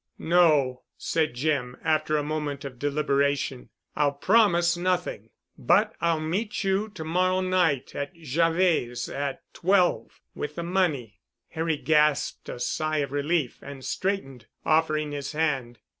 "No," said Jim, after a moment of deliberation. "I'll promise nothing, but I'll meet you to morrow night at Javet's—at twelve—with the money." Harry gasped a sigh of relief and straightened, offering his hand.